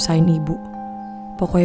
ya jadi sama sekali